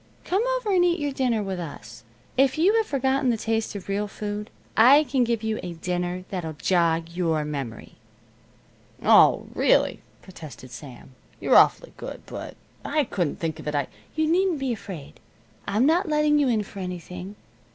Come over and eat your dinner with us. If you have forgotten the taste of real food, I can give you a dinner that'll jog your memory." "Oh, really," protested Sam. "You're awfully good, but I couldn't think of it. I " "You needn't be afraid. I'm not letting you in for anything.